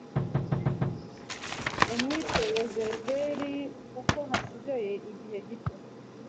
umwite yezereli kuko hasigaye igihe gito